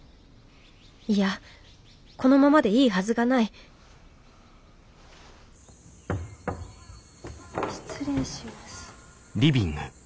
いやこのままでいいはずがない失礼します。